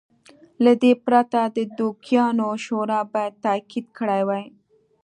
له دې پرته د دوکیانو شورا باید تایید کړی وای.